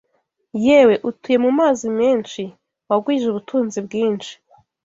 Yewe utuye mu mazi menshi, wagwije ubutunzi bwinshi